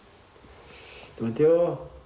止めてよ。